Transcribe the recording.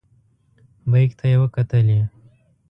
بیک ته یې وکتلې.